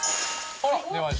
あら出ました。